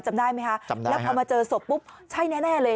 จำได้ไหมคะแล้วพอมาเจอศพปุ๊บใช่แน่เลย